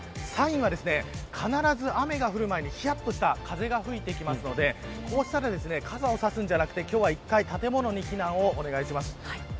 サインは、必ず雨が降る前にひやっとした風が吹いてきますので傘を差すんじゃなくて１回建物に避難をお願いします。